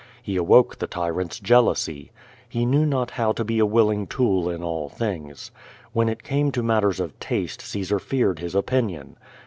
He awoke the tyrant's Jealousy. He knew not how to be a willing tool in all things. When it came to matters of taste Caesar feared his opinion.